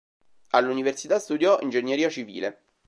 All'università studiò ingegneria civile.